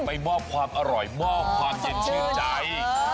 ไปมอบความอร่อยมอบความเย็นชื่นใจ